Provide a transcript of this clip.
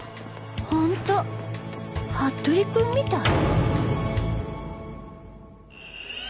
ホント服部君みたい